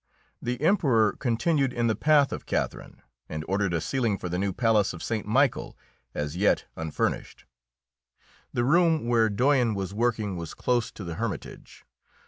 The Emperor continued in the path of Catherine, and ordered a ceiling for the new palace of St. Michael, as yet unfurnished. The room where Doyen was working was close to the Hermitage.